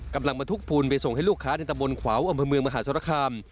กำลังมาทุกปูนไปส่งให้ลูกค้าในตะบนขวาวอำเภอเมืองมหาสรคาม